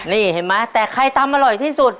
นี่เห็นไหมแต่ใครตำอร่อยที่สุด